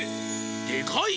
でかい！